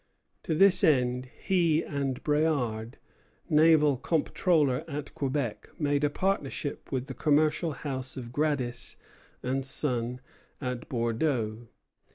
To this end he and Bréard, naval comptroller at Quebec, made a partnership with the commercial house of Gradis and Son at Bordeaux.